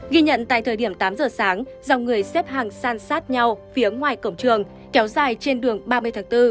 ghi nhận tại thời điểm tám giờ sáng dòng người xếp hàng san sát nhau phía ngoài cổng trường kéo dài trên đường ba mươi tháng bốn